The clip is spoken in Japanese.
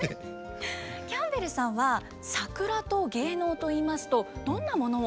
キャンベルさんは桜と芸能といいますとどんなものを思い浮かべますか？